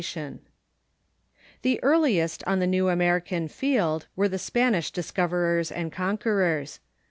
] The earliest on the new American field were the Spanish discoverers and conquerors.